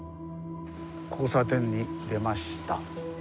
交差点に出ました。